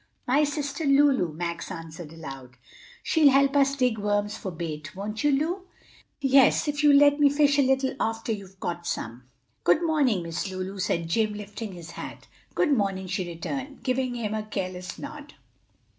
"My sister Lulu," Max answered aloud. "She'll help us dig worms for bait, won't you, Lu?" "Yes, if you'll let me fish a little after you've caught some." "Good morning, Miss Lulu," said Jim, lifting his hat. "Good morning," she returned, giving him a careless nod.